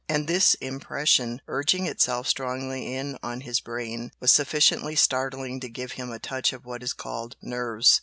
And this impression, urging itself strongly in on his brain, was sufficiently startling to give him a touch of what is called "nerves."